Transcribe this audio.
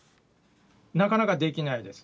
なかなかできないです。